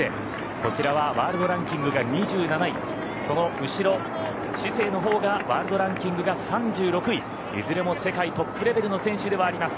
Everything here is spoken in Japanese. こちらはワールドランキングが２７位その後ろ、シセイのほうがワールドランキングが３６位、いずれも世界トップレベルの選手ではあります。